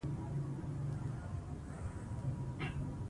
پسه د افغانستان د ملي هویت یوه نښه ده.